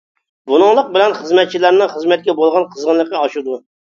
بۇنىڭلىق بىلەن خىزمەتچىلەرنىڭ خىزمەتكە بولغان قىزغىنلىقى ئاشىدۇ.